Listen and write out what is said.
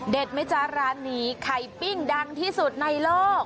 ไหมจ๊ะร้านนี้ไข่ปิ้งดังที่สุดในโลก